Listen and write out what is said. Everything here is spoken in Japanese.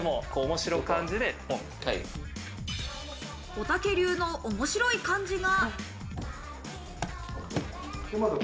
おたけ流の面白い感じが。